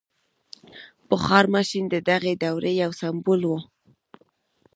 • بخار ماشین د دغې دورې یو سمبول و.